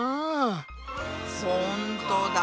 ほんとだ。